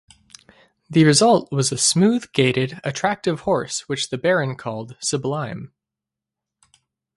The result was a smooth-gaited, attractive horse which the baron called "Sublime".